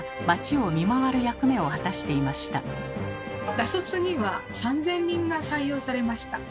ら卒には３，０００人が採用されました。